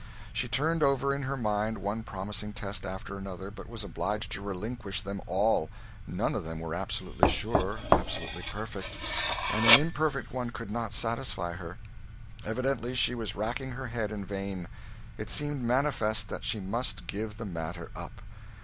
She turned over in her mind one promising test after another, but was obliged to relinquish them all none of them were absolutely sure, absolutely perfect; and an imperfect one could not satisfy her. Evidently she was racking her head in vain it seemed manifest that she must give the matter up.